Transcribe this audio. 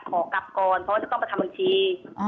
ขอกลับก่อนเพราะว่าจะต้องไปทำบัญชี